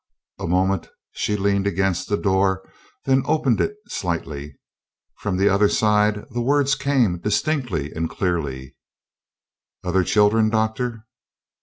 A moment she leaned against the door, then opened it slightly. From the other side the words came distinctly and clearly: " other children, doctor?"